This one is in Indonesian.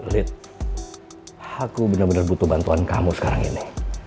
lid aku bener bener butuh bantuan kamu sekarang ini